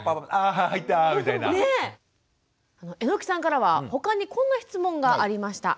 榎さんからは他にこんな質問がありました。